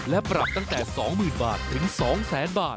และปรับตั้งแต่๒๐๐๐บาทถึง๒แสนบาท